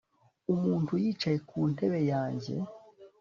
Umuntu yicaye ku ntebe yanjye